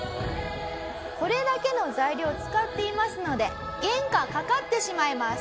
これだけの材料を使っていますので原価かかってしまいます。